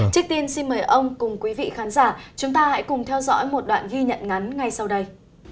trước tiên xin mời ông cùng quý vị khán giả chúng ta hãy cùng theo dõi một đoạn ghi nhận ngắn ngay sau đây